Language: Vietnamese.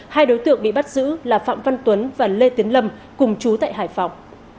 hai đối tượng bị bắt giữ là phạm văn tuấn và lê tiến lâm cùng chú tại hải phòng